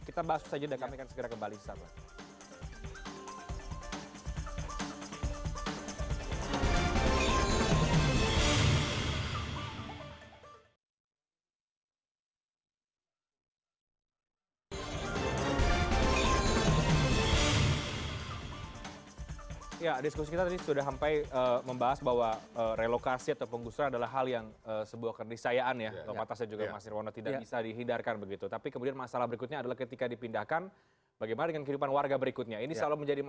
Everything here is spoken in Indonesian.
kita bahas itu saja dan kami akan segera kembali